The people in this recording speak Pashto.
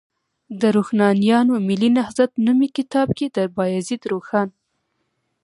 د روښانیانو ملي نهضت نومي کتاب کې، د بایزید روښان